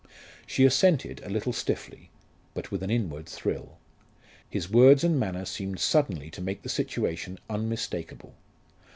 She assented a little stiffly but with an inward thrill. His words and manner seemed suddenly to make the situation unmistakable.